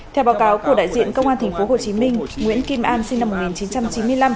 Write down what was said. theo báo cáo của đại diện công an tp hcm nguyễn kim an sinh năm một nghìn chín trăm chín mươi năm